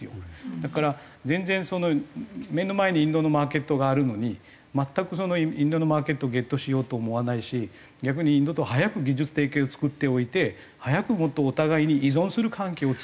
だから全然目の前にインドのマーケットがあるのに全くインドのマーケットをゲットしようと思わないし逆にインドと早く技術提携を作っておいて早くもっとお互いに依存する関係を作っていく。